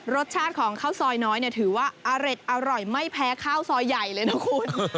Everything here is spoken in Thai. รสชาติของข้าวซอยน้อยเนี่ยถือว่าอร่อยไม่แพ้ข้าวซอยใหญ่เลยนะคุณ